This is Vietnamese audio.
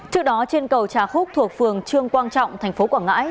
trước đó trên cầu trà khúc thuộc phường trương quang trọng tp quảng ngãi